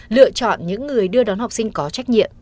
lựa chọn những người đưa đón học sinh có trách nhiệm